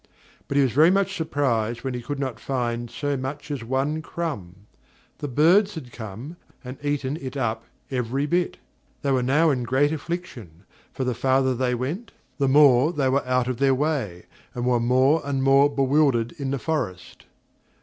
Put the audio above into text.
But he was very much surprised when he could not find so much as one crumb; the birds had come and eaten it up every bit. They were now in great affliction, for the farther they went, the more they were out of their way, and were more and more bewildered in the forest.